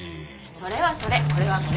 それはそれこれはこれ。